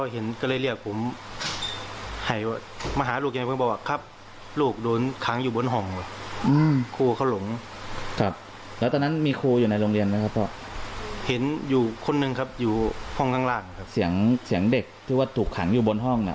ห้องข้างล่างเสียงเสียงเด็กที่ว่าถูกขังอยู่บนห้องน่ะ